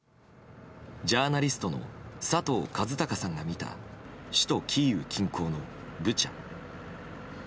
ジャーナリストの佐藤和孝さんが見た首都キーウ近郊のブチャ。